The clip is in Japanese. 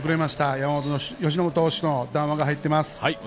山本由伸投手の談話が入っています。